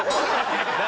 何？